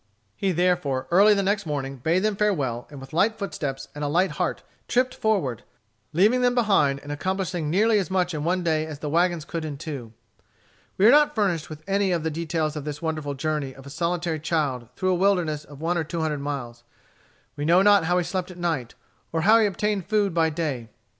He therefore, early the next morning, bade them farewell, and with light footsteps and a light heart tripped forward, leaving them behind, and accomplishing nearly as much in one day as the wagons could in two. We are not furnished with any of the details of this wonderful journey of a solitary child through a wilderness of one or two hundred miles. We know not how he slept at night, or how he obtained food by day.